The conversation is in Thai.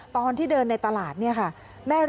ตอนที่เดินในตลาดเนี่ยค่ะ